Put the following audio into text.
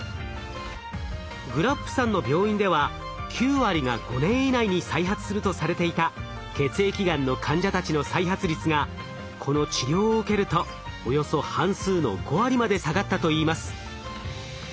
グラップさんの病院では９割が５年以内に再発するとされていた血液がんの患者たちの再発率がこの治療を受けるとおよそ半数の５割まで下がったといいます。